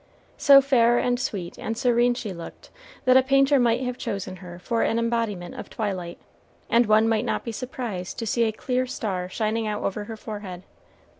So fair and sweet and serene she looked that a painter might have chosen her for an embodiment of twilight, and one might not be surprised to see a clear star shining out over her forehead.